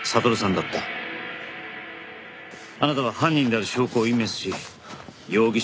あなたは犯人である証拠を隠滅し容疑者から外れた。